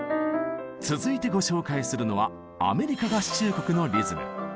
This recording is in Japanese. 続いてご紹介するのはアメリカ合衆国のリズム。